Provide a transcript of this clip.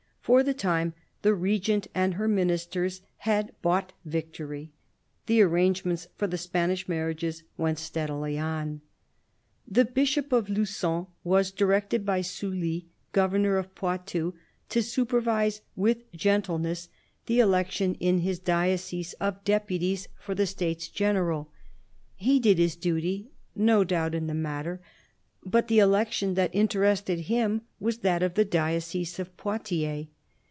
For the time, the Regent and her ministers had bought victory : the arrangements for the Spanish marriages went steadily on. The Bishop of Lugon was directed by Sully, governor of Poitou, to supervise " with gentleness " the election in his diocese of deputies for the States General. He did his duty, no doubt, in the matter ; but the election that interested him was that of the diocese of Poitiers.